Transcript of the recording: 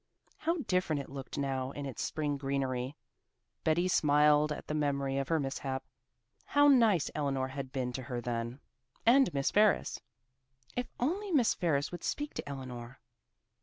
How different it looked now in its spring greenery! Betty smiled at the memory of her mishap. How nice Eleanor had been to her then. And Miss Ferris! If only Miss Ferris would speak to Eleanor.